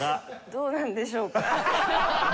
どうなんでしょうか？